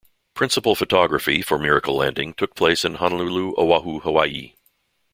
Principal photography for "Miracle Landing" took place in Honolulu, Oahu, Hawaii.